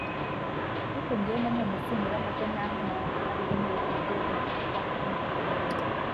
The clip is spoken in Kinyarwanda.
ariko jyewe na none simbura make ntahana kuko hari bamwe batangiye kumenyera kundangurira